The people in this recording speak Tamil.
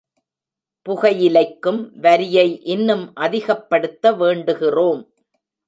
புகையிலைக்கும் வரியை இன்னும் அதிகப்படுத்த வேண்டுகிறோம்.